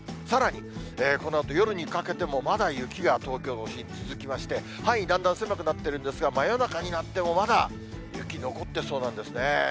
さらに、このあと夜にかけても、まだ雪が東京都心、続きまして、範囲だんだん狭くなってるんですが、真夜中になっても、まだ雪残ってそうなんですね。